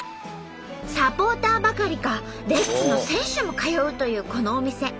サポーターばかりかレッズの選手も通うというこのお店。